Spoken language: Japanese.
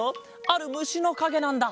あるむしのかげなんだ。